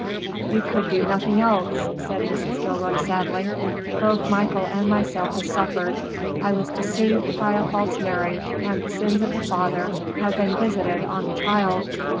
"You could do nothing else," said Mrs. Gilroy, sadly. "Both Michael and myself have suffered. I was deceived by a false marriage, and the sins of the father have been visited on the child."